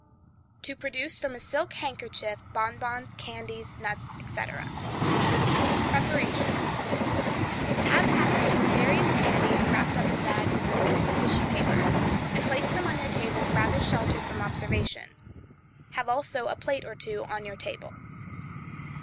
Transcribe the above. To Produce from a Silk Handkerchief Bonbons, Candies, Nuts, etc.— Preparation. Have packages of various candies, wrapped up in bags of the thinnest tissue paper, and place them on your table rather sheltered from observation. Have also a plate or two on your table.